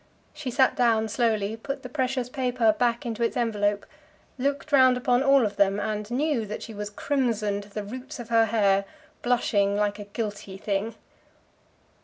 She sat down slowly, put the precious paper back into its envelope, looked round upon them all, and knew that she was crimson to the roots of her hair, blushing like a guilty thing.